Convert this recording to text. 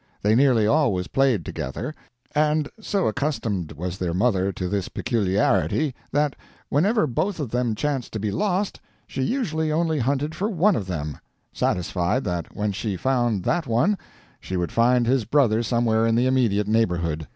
They nearly always played together; and, so accustomed was their mother to this peculiarity, that, whenever both of them chanced to be lost, she usually only hunted for one of them satisfied that when she found that one she would find his brother somewhere in the immediate neighborhood.